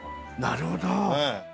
なるほど。